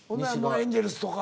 エンゼルスとか。